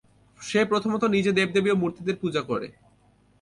সে প্রথমত নিজে দেবদেবী ও মূর্তিদের পূজা করে।